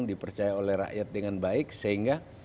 dipercaya oleh rakyat dengan baik sehingga